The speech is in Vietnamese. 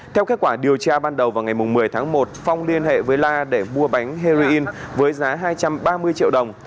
theo kết quả điều tra ban đầu vào ngày một mươi tháng một phong liên hệ với la để mua bánh heroin với giá hai trăm ba mươi triệu đồng